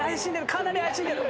かなり怪しんでる。